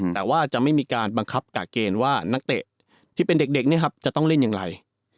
แต่ว่าจะไม่มีการบังคับกากเกณฑ์ว่านักเตะที่เป็นเด็กเนี่ยครับจะต้องเล่นอย่างไร